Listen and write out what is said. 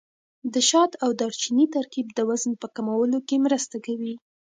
د شات او دارچیني ترکیب د وزن په کمولو کې مرسته کوي.